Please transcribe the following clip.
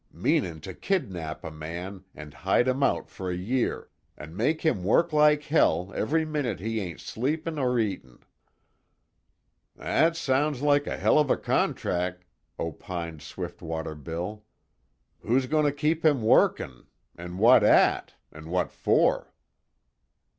"Meanin' to kidnap a man, an' hide him out fer a year, an' make him work like hell every minute he ain't sleepin' or eatin'." "That sounds like a hell of a contrack," opined Swiftwater Bill. "Who's goin' to keep him workin', an' what at, an' what for?"